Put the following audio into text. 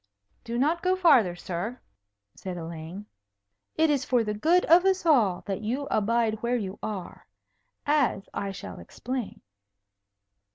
"Do not go further, sir," said Elaine. "It is for the good of us all that you abide where you are. As I shall explain."